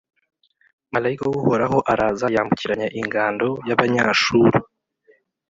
Malayika w’Uhoraho araza yambukiranya ingando y’Abanyashuru,